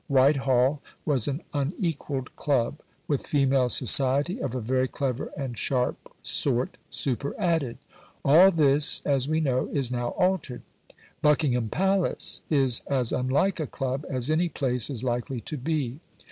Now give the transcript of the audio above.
Whitehall was an unequalled club, with female society of a very clever and sharp sort superadded. All this, as we know, is now altered. Buckingham Palace is as unlike a club as any place is likely to be.